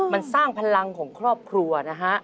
มันสร้างพลังของครอบครัวนะฮะ